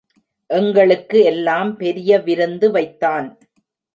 எங்களுக்கு எல்லாம் பெரிய விருந்து வைத்தான்.